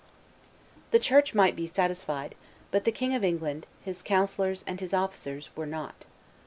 The Church might be satisfied; but the King of England, his councillors and his officers, were not.